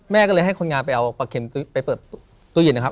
แม่ก็เลยให้คนงานไปเอาปลาเข็มไปเปิดตู้เย็นนะครับ